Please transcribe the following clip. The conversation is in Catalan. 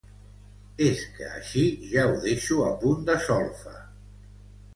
És que així ja ho deixo a punt de solfa.